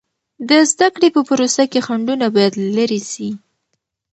د زده کړې په پروسه کې خنډونه باید لیرې سي.